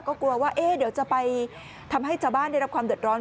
ก็กลัวว่าเดี๋ยวจะไปทำให้ชาวบ้านได้รับความเดือดร้อน